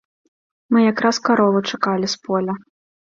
Мы якраз карову чакалі з поля.